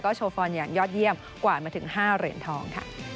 โชว์ฟอร์นอย่างยอดเยี่ยมกวาดมาถึง๕เหรียญทอง